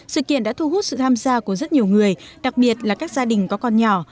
sự kiện đã thu hút sự tham gia của rất nhiều người đặc biệt là các gia đình có con nhỏ